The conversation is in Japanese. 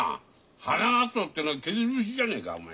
花鰹ってのは削り節じゃねえかおめえ。